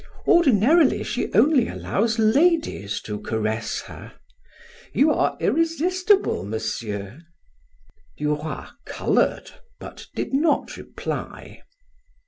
Ordinarily she only allows ladies to caress her. You are irresistible, Monsieur!" Duroy colored, but did not reply.